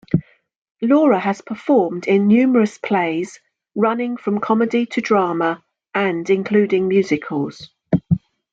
Laura has performed in numerous plays, running from comedy to drama, and including musicals.